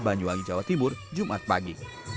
banyuwangi jawa timur jumat pagi